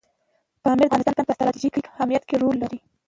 پامیر د افغانستان په ستراتیژیک اهمیت کې رول لري.